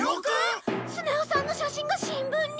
スネ夫さんの写真が新聞に？